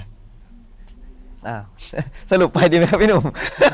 อ้าวสรุปไปดีไหมครับพี่หนุ่ม